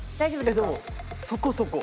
でもそこそこ。